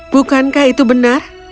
bukankah itu benar